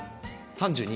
３２。